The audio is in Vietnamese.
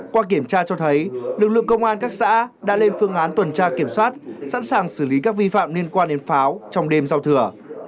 qua kiểm tra cho thấy lực lượng công an các xã đã lên phương án tuần tra kiểm soát sẵn sàng xử lý các vi phạm liên quan đến pháo trong đêm giao thừa